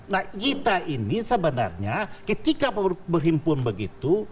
nah kita ini sebenarnya ketika berhimpun begitu